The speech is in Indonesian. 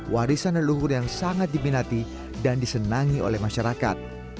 warisan leluhur yang sangat diminati dan disenangi oleh masyarakat